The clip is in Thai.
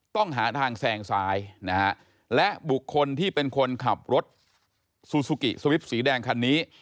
ต้องหาทางแซงซ้ายนะฮะและบุคคลที่เป็นคนขับรถซูซูกิสวิปสีแดงคันนี้